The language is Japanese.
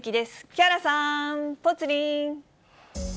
木原さん、ぽつリン。